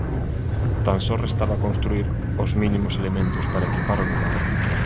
Tan só restaba construír os mínimos elementos para equipar o lugar.